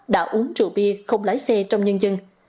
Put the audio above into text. đã uống rượu bia không lái xe trong nhân dân